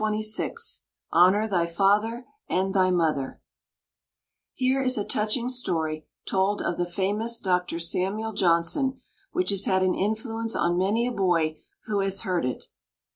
"_ HONOR THY FATHER AND THY MOTHER Here is a touching story told of the famous Dr. Samuel Johnson which has had an influence on many a boy who has heard it.